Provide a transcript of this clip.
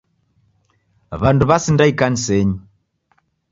W'andu w'asinda ikanisenyi.